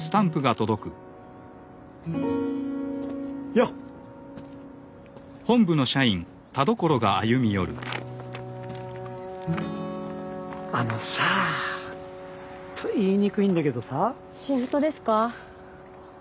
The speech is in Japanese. よっあのさ言いにくいんだけどさシフトですか？